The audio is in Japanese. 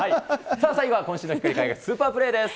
最後は今週の光輝くスーパープレーです。